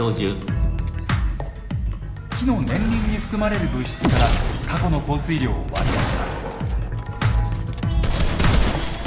木の年輪に含まれる物質から過去の降水量を割り出します。